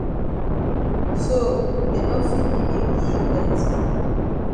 So dey no fit even gi yi plenti.